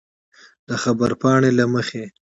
د خبرپاڼې له مخې